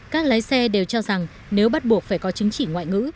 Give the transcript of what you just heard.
các lái xe đều cho rằng nếu bắt buộc phải có chứng chỉ ngoại ngữ